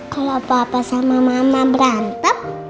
kalau papa sama mama berantem